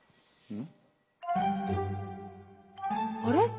あれ？